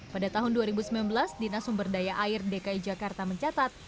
pada tahun dua ribu sembilan belas dinas sumberdaya air dki jakarta mencatat